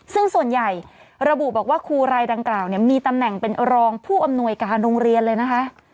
ซึ่งส่วนใหญ่ระบุบอกว่าครูรายดังกล่าวมีตำแหน่งเป็นรองผู้อำนวยการโรงเรียนเลยนะคะ